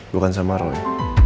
bukan sama roy